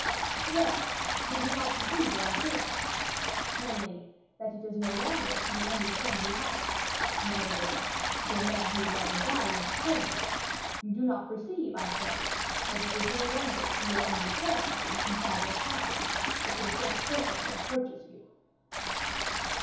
"Yes, you do not perceive one thing; namely, that it is no longer to the only friend you have, in other words, to a man who would rather die than betray you; you do not perceive, I say, that it is no longer to your only friend that you confide your passion, but to the first person that approaches you."